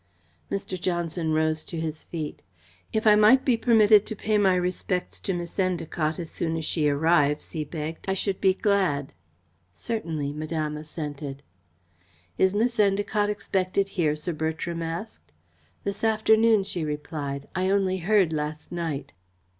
Mr. Johnson rose to his feet. "If I might be permitted to pay my respects to Miss Endacott as soon as she arrives," he begged, "I should be glad." "Certainly," Madame assented. "Is Miss Endacott expected here?" Sir Bertram asked. "This afternoon," she replied. "I only heard last night."